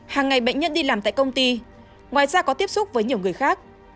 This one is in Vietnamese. hàng ngày bệnh nhân đi làm tại công ty ngoài ra có tiếp xúc với nhiều người khác